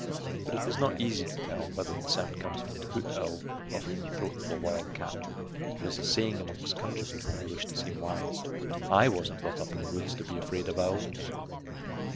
But it is not easy to tell whether the sound comes from a hoot owl or from the throat of a wild cat. There is a saying among country people who wish to seem wise: "I wasn't brought up in the woods to be afraid of owls."